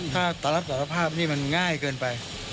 ถ้าตอนรับสารภาพนี่มันง่ายเกินไป